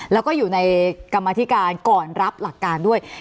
แล้วก็อยู่ในกรรมธิการก่อนรับหลักการด้วย